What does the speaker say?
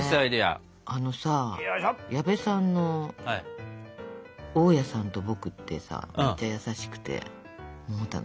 あのさ矢部さんの「大家さんと僕」ってさめっちゃ優しくてもう楽しい。